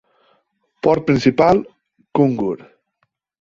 Port principal: Kungur.